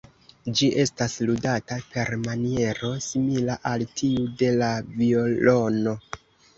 Ĝi estas ludata per maniero simila al tiu de la violono.